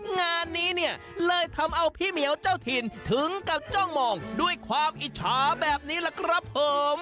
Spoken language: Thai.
งานนี้เนี่ยเลยทำเอาพี่เหมียวเจ้าถิ่นถึงกับจ้องมองด้วยความอิจฉาแบบนี้ล่ะครับผม